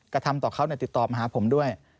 กระทำต่อเขาติดต่อมาหาผมด้วย